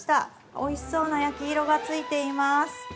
おいしそうな焼き色がついています。